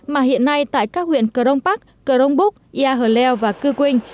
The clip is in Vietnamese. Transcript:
mà hiện nay tại các huyện cờ đông bắc cờ đông búc yà hờ leo và cư quynh